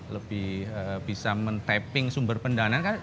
lebih bisa men tapping sumber pendanaan kan